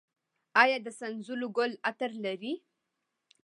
آیا د سنځلو ګل عطر لري؟